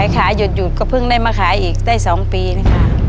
ขายหยุดก็เพิ่งได้มาขายอีกได้๒ปีนะคะ